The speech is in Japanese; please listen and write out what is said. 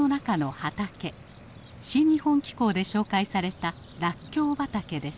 「新日本紀行」で紹介されたらっきょう畑です。